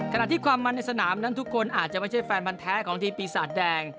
ขณะที่ความมันในสนามนั้นทุกคนอาจจะไม่ใช่แฟนมันแท้ของทีมปีศาจแดง